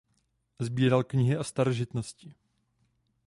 Sbíral knihy a starožitnosti.